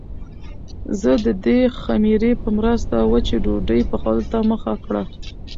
زه د دې خمیرې په مرسته وچې ډوډۍ پخولو ته مخه کړه.